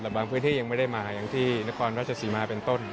บางพื้นที่ยังไม่ได้มาอย่างที่นครราชสีมาเป็นต้น